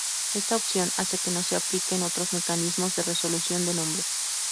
Esta opción hace que no se apliquen otros mecanismos de resolución de nombres.